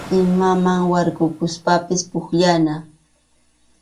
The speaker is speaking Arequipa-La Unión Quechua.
Imaman warkukuspapas pukllana.